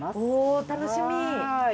おお楽しみ。